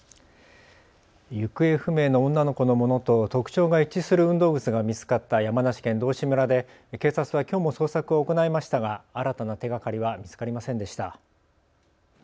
行方不明の女の子のものと特徴が一致する運動靴が見つかった山梨県道志村で警察はきょうも捜索を行いましたが新たな手がかりは見つかりませんでした。